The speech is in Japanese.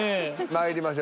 まいりましょう。